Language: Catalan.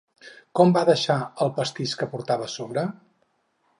Com va deixar el pastís que portava a sobre?